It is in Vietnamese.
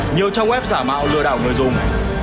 nhiều trong web giả mạo lừa đảo người dùng